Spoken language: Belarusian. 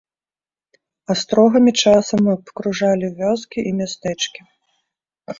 Астрогамі часам абкружалі вёскі і мястэчкі.